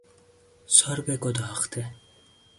سرب گداخته